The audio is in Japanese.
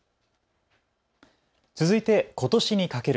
続いて、ことしにかける。